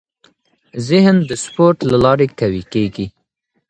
ذهن د سپورت له لارې قوي کېږي.